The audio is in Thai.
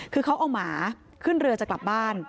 คือเขาเอาหมาขึ้นเรือจะกลับบ้าน